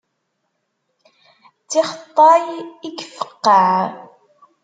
D tixeṭṭay i ifeqqeɛ.